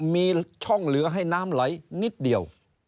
มีช่องเหลือให้น้ำไหลนิดเดียว